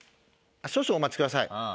少々お待ちください。